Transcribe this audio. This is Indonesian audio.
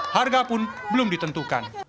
harga pun belum ditentukan